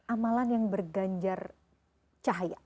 amalan yang berganjar cahaya